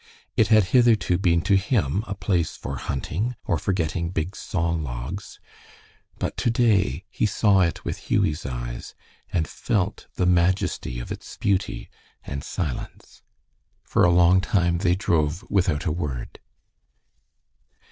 It had hitherto been to him a place for hunting or for getting big saw logs. But to day he saw it with Hughie's eyes, and felt the majesty of its beauty and silence. For a long time they drove without a word.